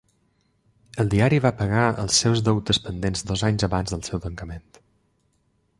El diari va pagar els seus deutes pendents dos anys abans del seu tancament.